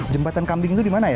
jembatan kambing itu di mana ya